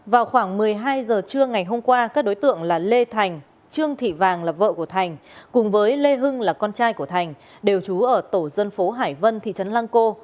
vào khoảng một mươi hai giờ trưa ngày hôm qua các đối tượng là lê thành trương thị vàng là vợ của thành cùng với lê hưng là con trai của thành đều trú ở tổ dân phố hải vân thị trấn lăng cô